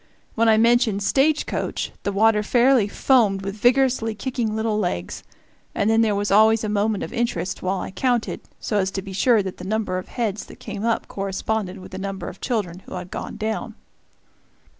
When I mentioned "stage coach," the water fairly foamed with vigorously kicking little legs; and then there was always a moment of interest while I counted, so as to be sure that the number of heads that came up corresponded with the number of children who had gone down.